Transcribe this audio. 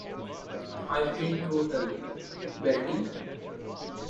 I've been through hell, Bertie.